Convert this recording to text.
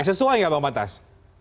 sesuai gak pak matas